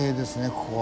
ここは。